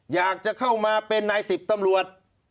อยากจะเข้ามาเป็นนายสิบตำรวจ